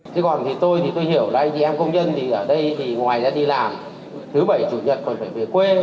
thế còn thì tôi thì tôi hiểu đây thì em công nhân thì ở đây thì ngoài ra đi làm thứ bảy chủ nhật còn phải về quê